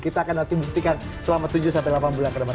kita akan nanti buktikan selama tujuh sampai delapan bulan ke depan